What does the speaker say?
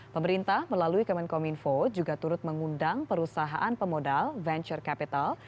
pemerintah melalui kemenkominfo juga turut mengundang perusahaan pemodal venture capital